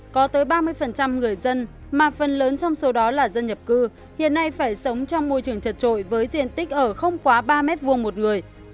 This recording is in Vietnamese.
có tới ba mươi người dân mà phần lớn trong số đó là dân nhập cư hiện nay phải sống trong môi trường trật trội với diện tích ở không quá ba m hai một người